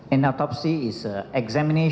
an otopsi itu sebenarnya